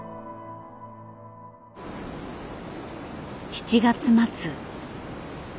７月末。